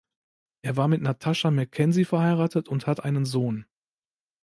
Er war mit Natasha Mackenzie verheiratet und hat einen Sohn.